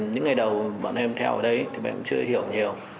những ngày đầu bọn em theo ở đây thì bọn em chưa hiểu nhiều